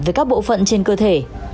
về các bộ phận trên cơ thể